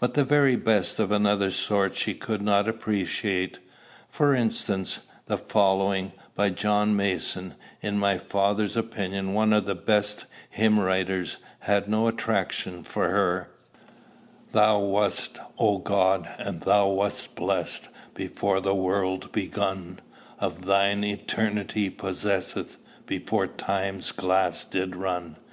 But the very best of another sort she could not appreciate. For instance, the following, by John Mason, in my father's opinion one of the best hymn writers, had no attraction for her: "Thou wast, O God, and thou was blest Before the world begun; Of thine eternity possest Before time's glass did run.